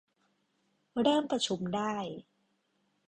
เริ่มประชุมได้